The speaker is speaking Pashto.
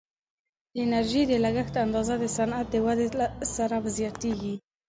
د انرژي د لګښت اندازه د صنعت د ودې سره زیاتیږي.